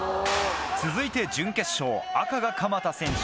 続いて準決勝赤が鎌田選手。